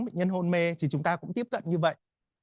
bệnh nhân hôn mê thì chúng ta cũng tiếp cận như vậy